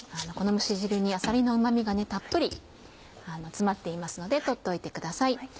この蒸し汁にあさりのうま味がたっぷり詰まっていますので取っておいてください。